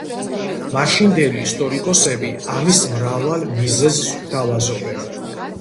მაშინდელი ისტორიკოსები ამის მრავალ მიზეზს გვთავაზობენ.